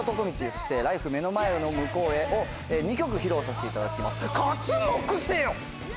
そして『ＬＩＦＥ目の前の向こうへ』を２曲披露させていただきます刮目せよ！